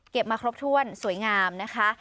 มาครบถ้วนสวยงามนะคะ